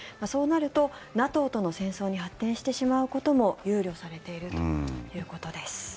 そうなると、ＮＡＴＯとの戦争に発展してしまうことも憂慮されているということです。